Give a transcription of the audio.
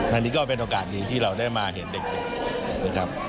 อันนี้ก็เป็นโอกาสดีที่เราได้มาเห็นเด็กนะครับ